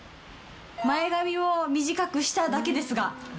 「前髪を短くしただけですが」